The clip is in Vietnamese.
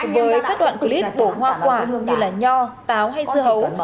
với các đoạn clip bổ hoa quả như là nho táo hay dưa hầu